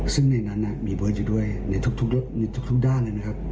ซึ่งในนั้นมีเบิร์ตอยู่ด้วยในทุกด้านเลยนะครับ